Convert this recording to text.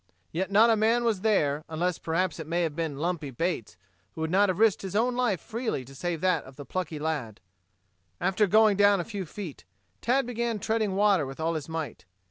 Yet, not a man was there, unless perhaps it may have been Lumpy Bates, who would not have risked his own life freely to save that of the plucky lad. After going down a few feet, Tad began treading water with all his might.